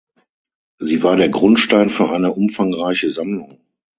Sie war der Grundstein für eine umfangreiche Sammlung.